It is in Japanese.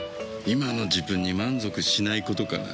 今の自分に満足しないことかな。